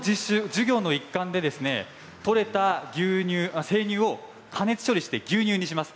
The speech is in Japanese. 授業の一環でとれた牛乳、生乳を加熱処理して牛乳にします。